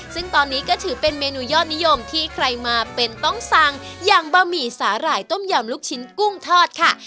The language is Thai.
ซึ่งตอนนี้ก็ถือเป็นเมนูยอดนิยมที่ใครมาเป็นต้องสั่งอย่างบะหมี่สาหร่ายต้มยำลูกชิ้นกุ้งทอดค่ะ